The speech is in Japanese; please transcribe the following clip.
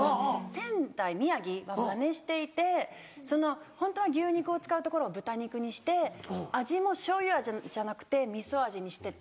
仙台宮城はマネしていてホントは牛肉を使うところを豚肉にして味もしょうゆ味じゃなくてみそ味にしてて。